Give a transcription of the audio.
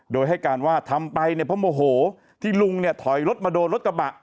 โดยให้การว่าทำไปเนี่ยเพราะโมโหที่ลุงเนี่ยถอยรถมาโดนรถกระบะ